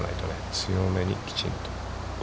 強めに、きちんと。